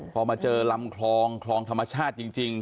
พอมาเจอลำคลองคลองธรรมชาติจริง